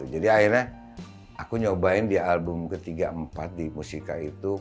jadi akhirnya aku nyobain di album ketiga empat di musica itu